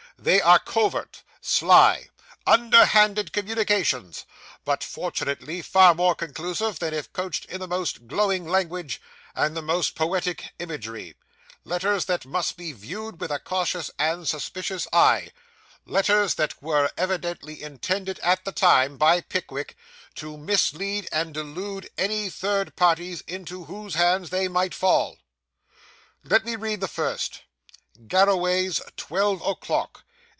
They are covert, sly, underhanded communications, but, fortunately, far more conclusive than if couched in the most glowing language and the most poetic imagery letters that must be viewed with a cautious and suspicious eye letters that were evidently intended at the time, by Pickwick, to mislead and delude any third parties into whose hands they might fall. Let me read the first: "Garraways, twelve o'clock.